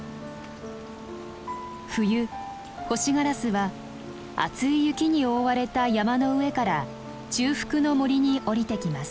冬ホシガラスは厚い雪に覆われた山の上から中腹の森に降りてきます。